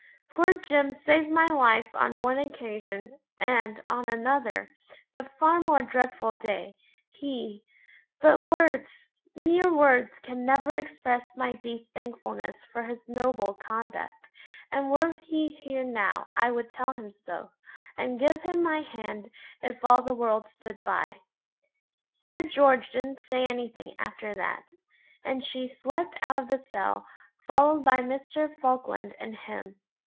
Poor Jim saved my life on one occasion, and on another, but far more dreadful day, he but words, mere words, can never express my deep thankfulness for his noble conduct, and were he here now I would tell him so, and give him my hand, if all the world stood by.' Sir George didn't say anything after that, and she swept out of the cell, followed by Mr. Falkland and him.